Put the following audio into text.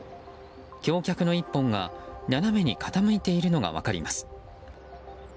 橋脚の１本が斜めに傾いているのが分かります。